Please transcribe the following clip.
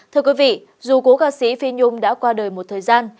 thưa quý vị dù cố ca sĩ phi nhung đã qua đời một thời gian